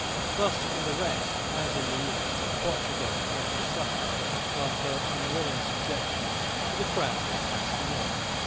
Thus in the West, as in the East, Portugal was to suffer for her unwilling subjection to the crown of Castile.